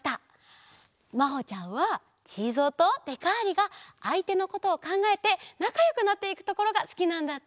まほちゃんはチーゾウとデカーリがあいてのことをかんがえてなかよくなっていくところがすきなんだって。